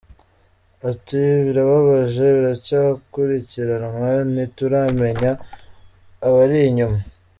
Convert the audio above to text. Ati "Birababaje, biracyakurikiranwa ntituramenya ababiri inyuma.